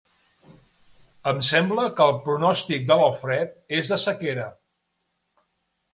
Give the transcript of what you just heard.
Em sembla que el pronòstic de l'Alfred és de sequera.